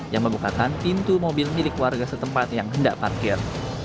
yang membukakan pintu mobil milik warga setempat yang hendak parkir